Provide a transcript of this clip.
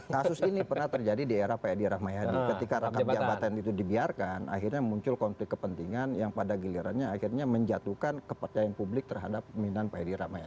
kasus ini pernah terjadi di era pak edi rahmayadi ketika rangkap jabatan itu dibiarkan akhirnya muncul konflik kepentingan yang pada gilirannya akhirnya menjatuhkan kepercayaan publik terhadap pemimpinan pak edi rahmayadi